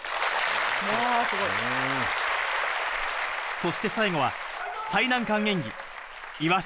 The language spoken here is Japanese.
そして最後は最難関演技のイワシ。